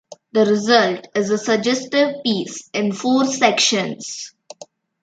The result is a suggestive piece in four sections.